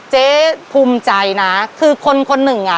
เจ๊ภูมิใจนะคือคนคนหนึ่งอ่ะ